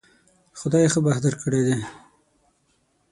خدای ښه بخت درکړی دی